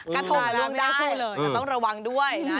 กระทงล่วงได้แต่ต้องระวังด้วยนะ